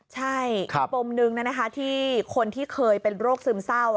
ใช่อีกปมนึงที่คนที่เคยเป็นโรคซึมเศร้า